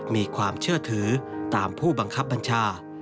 มีความเชื่อถือตามผู้บังคับบัญชา